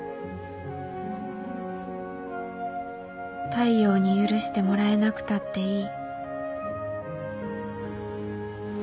太陽に許してもらえなくたっていい